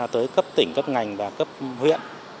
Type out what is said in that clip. tới cấp tỉnh cấp ngành và cấp huyện